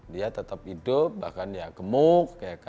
dia tetap hidup bahkan ya gemuk